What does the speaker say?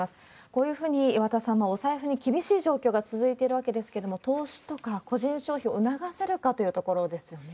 こういうふうに、岩田さん、お財布に厳しい状況が続いてるわけですけれども、投資とか個人消費を促せるかというところですよね。